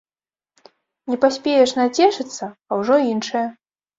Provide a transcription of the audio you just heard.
Не паспееш нацешыцца, а ўжо іншае.